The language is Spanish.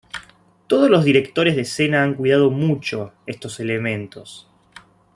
Todos los directores de escena han cuidado mucho estos elementos.